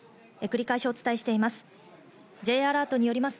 繰り返しお伝えしています。